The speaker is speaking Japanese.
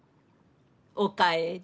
お帰り。